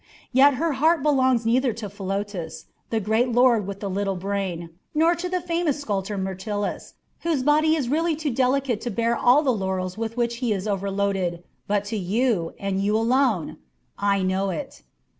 Yet her heart belongs neither to Philotas, the great lord with the little brain, nor to the famous sculptor Myrtilus, whose body is really too delicate to bear all the laurels with which he is overloaded, but to you, and you alone I know it."